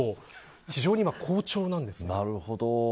非常に好調です。